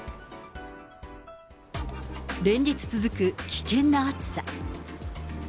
連日続く危険な暑さ。